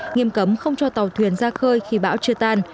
nghiêm cấm không cho tàu thuyền ra khơi khi bão chưa tan